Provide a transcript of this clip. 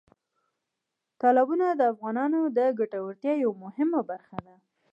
تالابونه د افغانانو د ګټورتیا یوه مهمه برخه ده.